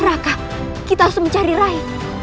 raka kita harus mencari rai